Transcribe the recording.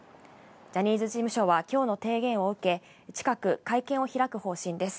ジャニーズ事務所はきょうの提言を受け、近く、会見を開く方針です。